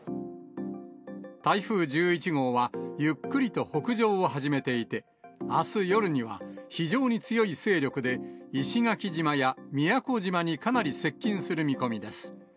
台風１１号はゆっくりと北上を始めていて、あす夜には、非常に強い勢力で、石垣島や宮古島にかなり接近する見込みです。